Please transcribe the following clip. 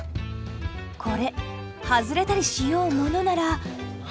これ外れたりしようものなら。